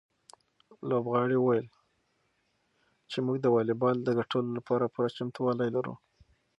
لوبغاړي وویل چې موږ د واليبال د ګټلو لپاره پوره چمتووالی لرو.